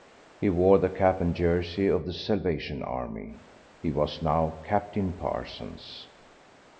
He wore the cap and jersey of the Salvation Army; he was now Captain Parsons.